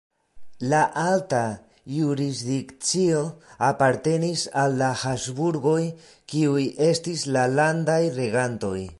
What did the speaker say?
La alta jurisdikcio apartenis al la Habsburgoj, kiuj estis la landaj regantoj.